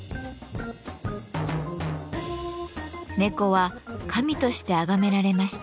猫は神としてあがめられました。